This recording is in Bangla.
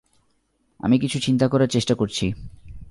আমি কিছু চিন্তা করার চেষ্টা করছি।